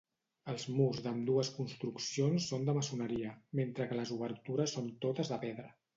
Els murs d'ambdues construccions són de maçoneria, mentre que les obertures són totes de pedra.